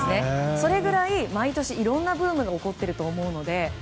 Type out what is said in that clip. それぐらい毎年いろんなブームが起こっていると思うので。